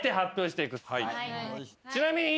ちなみに。